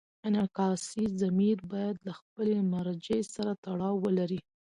انعکاسي ضمیر باید له خپلې مرجع سره تړاو ولري.